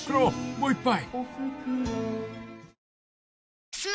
もう一杯］